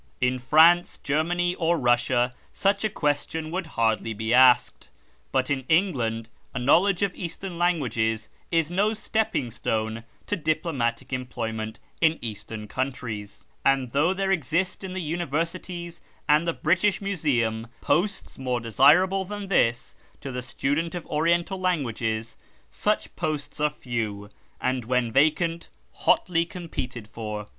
In France, Germany, or Kussia such a question would hardly be asked ; but in England a knowledge of Eastern languages is no stepping stone to diplomatic employment in Eastern countries ; and though there exist in the Universities and the British Museum posts more desirable than this to the student of Oriental languages, such posts are few, and, when vacant, hotly competed for.